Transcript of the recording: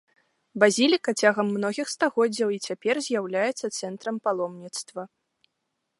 Базіліка цягам многіх стагоддзяў і цяпер з'яўляецца цэнтрам паломніцтва.